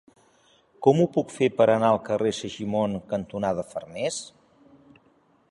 Com ho puc fer per anar al carrer Segimon cantonada Farnés?